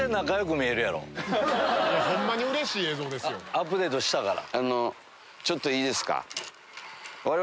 アップデートしたから。